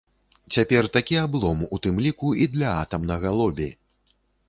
Цяпер такі аблом, у тым ліку і для атамнага лобі!